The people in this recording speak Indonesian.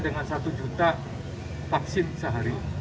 dengan satu juta vaksin sehari